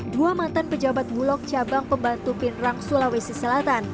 dua mantan pejabat bulog cabang pembantu pindrang sulawesi selatan